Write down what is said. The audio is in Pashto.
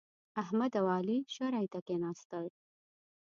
احمد او علي شرعې ته کېناستل.